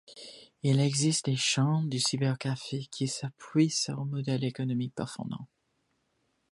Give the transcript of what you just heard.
Il existe des chaînes de cybercafés qui s'appuient sur un modèle économique performant.